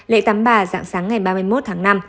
lễ tắm bà dạng sáng ngày ba mươi một tháng năm